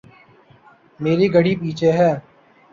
میری گھڑی پیچھے ہے